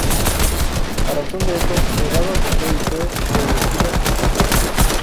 A razón de esto, Nevado aceptó y fue reelegida alcaldesa.